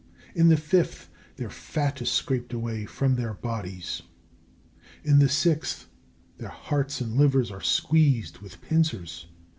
In the fifth, their fat is scraped away from their bodies. In the sixth, their hearts and livers are squeezed with pincers.